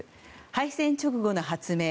敗戦直後の発明